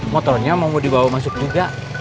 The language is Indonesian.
motornya mau dibawa masuk juga